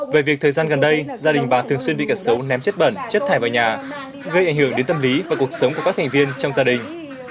về việc thời gian gần đây gia đình bà thường xuyên bị cả xấu ném chất bẩn chất thải vào nhà gây ảnh hưởng đến tâm lý và cuộc sống của các thành viên trong gia đình